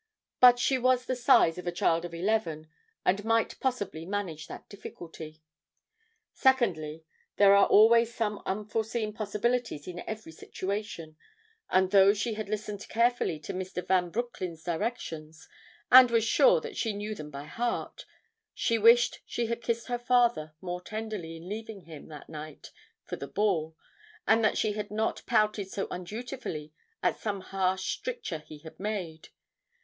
But she was of the size of a child of eleven and might possibly manage that difficulty. Secondly: there are always some unforeseen possibilities in every situation, and though she had listened carefully to Mr. Van Broecklyn's directions and was sure that she knew them by heart, she wished she had kissed her father more tenderly in leaving him that night for the ball, and that she had not pouted so undutifully at some harsh stricture he had made.